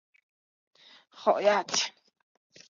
希尔格尔米森是德国下萨克森州的一个市镇。